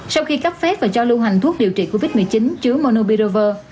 sau khi cấp phép và cho lưu hành thuốc điều trị covid một mươi chín chứa monobirover